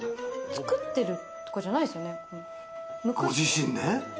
作ってるとかじゃないですよね。